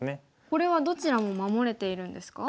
これはどちらも守れているんですか？